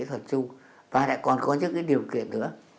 cái thuật chung và lại còn có những cái điều kiện nữa